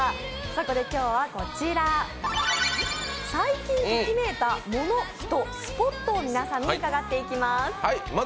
そこで今日は、最近ときめいたモノ人、スポットを皆さんに伺っていきます。